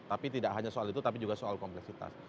tapi tidak hanya soal itu tapi juga soal kompleksitas